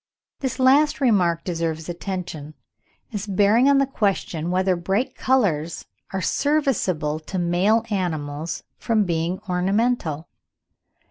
This last remark deserves attention, as bearing on the question whether bright colours are serviceable to male animals from being ornamental.